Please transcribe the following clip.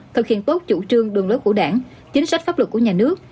thực hiện tốt chủ trương đường lối của đảng chính sách pháp luật của nhà nước